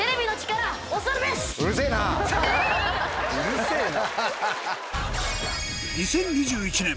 「うるせぇな」。